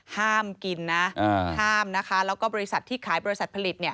ห้ามกินนะห้ามนะคะแล้วก็บริษัทที่ขายบริษัทผลิต